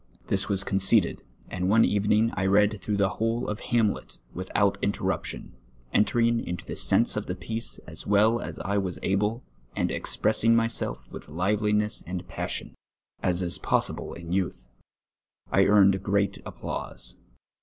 This was conceded, and one evening I read through the whole of Hamlet without interrup tion, entering into the sense of the piece as well as I was able, and expressing myself with liveliness and passion, as is pos sible in youth. I earned great applause.